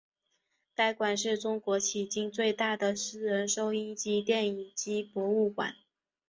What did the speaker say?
该馆是是中国迄今最大的私人收音机电影机博物馆。